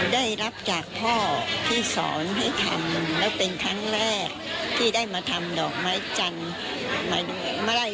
ได้รับจากพ่อที่สอนให้ทำแล้วเป็นครั้งแรกที่ได้มาทำดอกไม้จันทร์